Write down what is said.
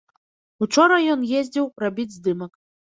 Учора ён ездзіў рабіць здымак.